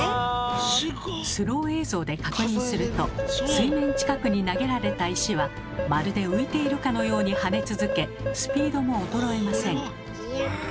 スロー映像で確認すると水面近くに投げられた石はまるで浮いているかのように跳ね続けスピードも衰えません。